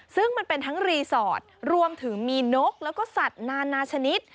ซึ่งมันเป็นทั้งรีสอร์ทรวมถึงมีนกแล้วก็สัตว์นานาชนิด